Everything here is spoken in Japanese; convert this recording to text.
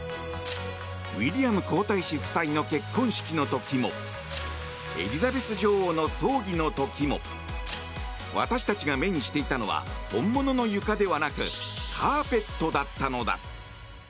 ウィリアム皇太子夫妻の結婚式の時もエリザベス女王の葬儀の時も私たちが目にしていたのは本物の床ではなくカーペットだったのだ。